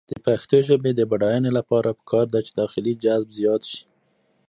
د پښتو ژبې د بډاینې لپاره پکار ده چې داخلي جذب زیات شي.